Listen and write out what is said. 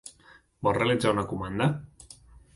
Vol realitzar una comanda?